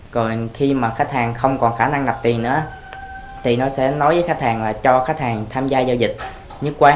còn khi mà khách hàng không còn khả năng nạp tiền nữa thì nó sẽ nói với khách hàng là cho khách hàng tham gia giao dịch nhất quán